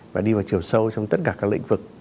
và đi vào chiều sâu trong tất cả các lĩnh vực